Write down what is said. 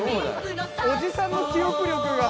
おじさんの記憶力が。